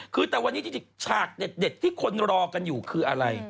คือแต่วันนี้จริงฉากเด็ดที่คนรอกันอยู่คืออะไร